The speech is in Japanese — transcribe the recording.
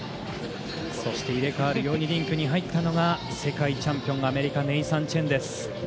そして入れ替わるようにリンクに入ったのが世界チャンピオンアメリカのネイサン・チェンです。